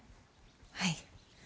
はい。